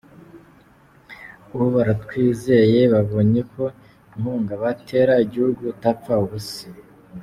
Ubu baratwizeye, babonye ko inkunga batera igihugu idapfa ubusa.